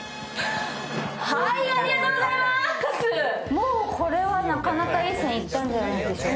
もうこれはなかなかいい線いったんじゃないでしょうか。